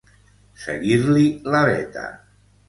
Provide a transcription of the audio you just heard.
Seguir-li la veta.